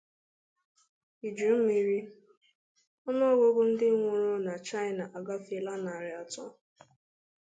Ijummiri: Ọnụọgụgụ Ndị Nwụrụ Na China Agafeela Narị Atọ